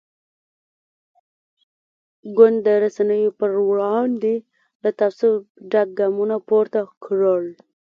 ګوند د رسنیو پر وړاندې له تعصب ډک ګامونه پورته کړل.